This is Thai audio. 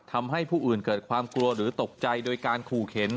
ทำให้ผู้อื่นเกิดความกลัวหรือตกใจโดยการขู่เข็น